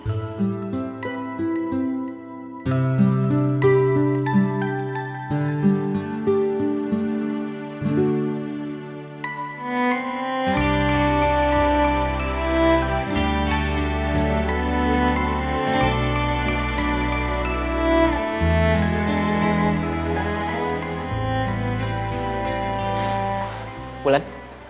terus sama om gunawan